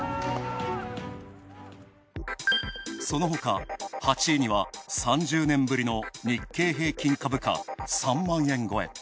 そのほか、８位には３０年ぶりの日経平均株価３万円越え。